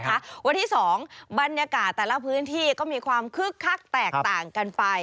วันที่๒บรรยากาศแต่ละพื้นที่ก็มีความคึกคักแตกต่างกันไป